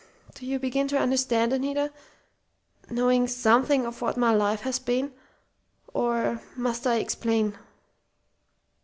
Do you begin to understand, Anita knowing something of what my life has been, or must I explain?"